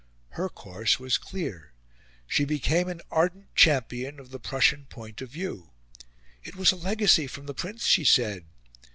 Her course was clear. She became an ardent champion of the Prussian point of view. It was a legacy from the Prince, she said.